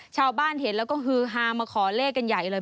ชาวบ้านเห็นแล้วก็ฮือฮามาขอเลขกันใหญ่เลย